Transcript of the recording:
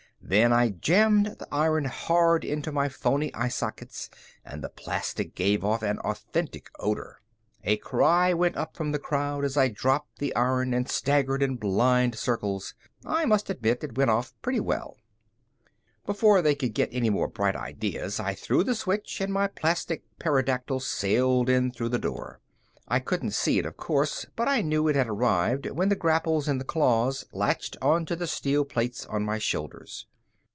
Then I jammed the iron hard into my phony eye sockets and the plastic gave off an authentic odor. A cry went up from the crowd as I dropped the iron and staggered in blind circles. I must admit it went off pretty well. Before they could get any more bright ideas, I threw the switch and my plastic pterodactyl sailed in through the door. I couldn't see it, of course, but I knew it had arrived when the grapples in the claws latched onto the steel plates on my shoulders.